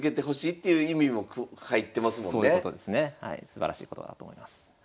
すばらしい言葉だと思います。